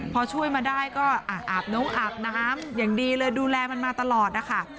พอช่วยมาได้ก็อาบน้องอาบน้ำอย่างดีเลยดูแลมันมาตลอดนะคะ